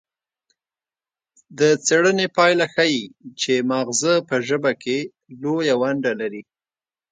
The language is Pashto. د څیړنې پایله ښيي چې مغزه په ژبه کې لویه ونډه لري